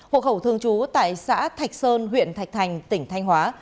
hộ khẩu thường trú tại xã thạch sơn huyện thạch thành tỉnh thanh hóa